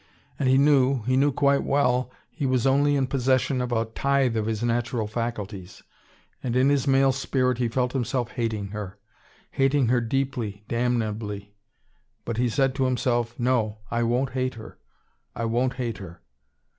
And he knew, he knew quite well he was only in possession of a tithe of his natural faculties. And in his male spirit he felt himself hating her: hating her deeply, damnably. But he said to himself: "No, I won't hate her. I won't hate her."